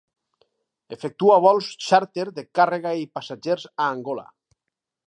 Efectua vols xàrter de càrrega i passatgers a Angola.